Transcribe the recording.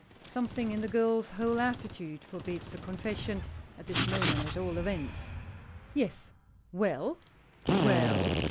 Something in the girl's whole attitude forbids a confession, at this moment at all events. "Yes." "Well?" "Well?"